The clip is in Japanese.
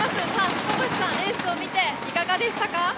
須古星さん、レースを見て、いかがでしたか？